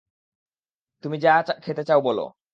তুমি যা খেতে চাও বলো।